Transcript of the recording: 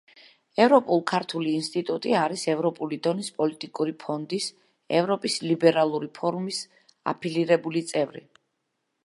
ევროპულ-ქართული ინსტიტუტი არის ევროპული დონის პოლიტიკური ფონდის, ევროპის ლიბერალური ფორუმის, აფილირებული წევრი.